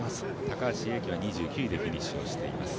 高橋英輝はフィニッシュしています。